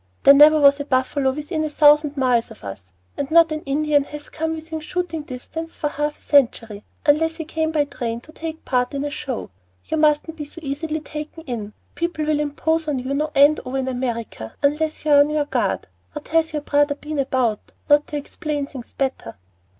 There never was a buffalo within a thousand miles of us, and not an Indian has come within shooting distance for half a century, unless he came by train to take part in a show. You mustn't be so easily taken in. People will impose upon you no end over in America, unless you are on your guard. What has your brother been about, not to explain things better?"